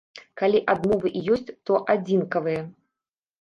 Калі адмовы і ёсць, то адзінкавыя.